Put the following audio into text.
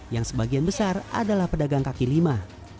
yang sebagian besar adalah pedagang kaki lima